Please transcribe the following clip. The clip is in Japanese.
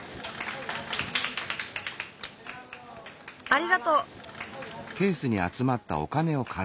ありがとう！４２